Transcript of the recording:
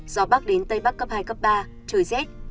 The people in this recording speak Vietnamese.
gió bắc đến tây bắc cấp hai cấp ba trời rét